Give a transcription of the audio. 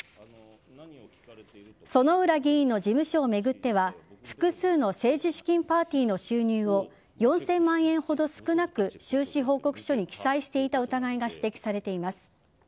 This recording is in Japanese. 薗浦議員の事務所を巡っては複数の政治資金パーティーの収入を４０００万円ほど少なく収支報告書に記載していた疑いが指摘されています。